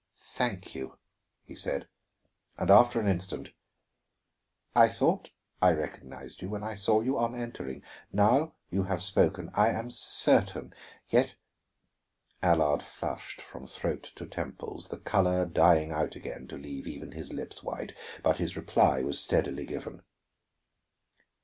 "Thank you," he said. And after an instant, "I thought I recognized you when I saw you on entering; now you have spoken, I am certain. Yet " Allard flushed from throat to temples, the color dying out again to leave even his lips white. But his reply was steadily given.